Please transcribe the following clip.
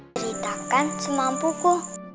teritakan semampu ku